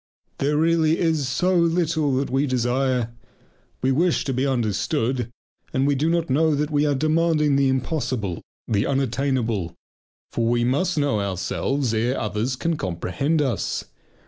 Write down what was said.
Ah! there is really so little that we desire: we wish to be understood, and do not know that we are demanding the impossible, the unattainable. For we must know ourselves ere others can comprehend us.